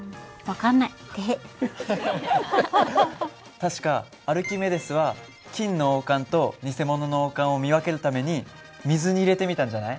確かアルキメデスは金の王冠と偽物の王冠を見分けるために水に入れてみたんじゃない？